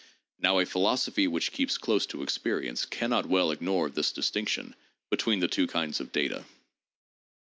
Now a philosophy which keeps close to experience can not well ignore this distinction between the two kinds of data."